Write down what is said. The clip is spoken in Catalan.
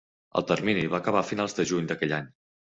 El termini va acabar a finals de juny d'aquell any.